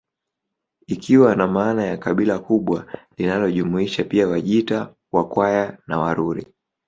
Ikiwa na maana ya kabila kubwa linalojumuisha pia Wajita Wakwaya na Waruri